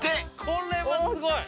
これはすごい！